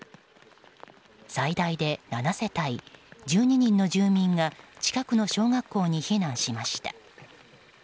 最大で７世帯、１２人の住民が近くの小学校に避難しました。